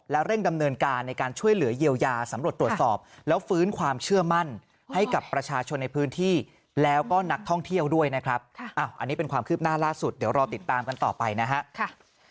ประชาชนในพื้นที่แล้วก็นักท่องเที่ยวด้วยนะครับอันนี้เป็นความคืบหน้าล่าสุดเดี๋ยวรอติดตามกันต่อไปนะฮะ